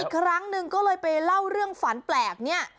อีกครั้งหนึ่งก็เลยไปเล่าเรื่องฝันแปลกเนี่ย